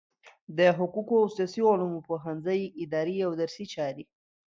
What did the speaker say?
د حقوقو او سیاسي علومو پوهنځی اداري او درسي چارې